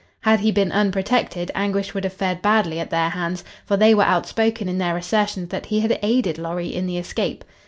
Had he been unprotected, Anguish would have fared badly at their hands, for they were outspoken in their assertions that he had aided Lorry in the escape.